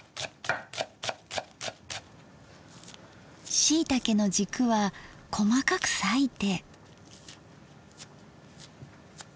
しいたけのじくは細かく裂いて。